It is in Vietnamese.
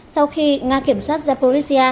sau khi nga kiểm soát zaporizhia